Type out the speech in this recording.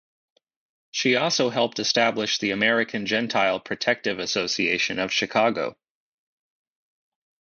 She also helped establish the American Gentile Protective Association of Chicago.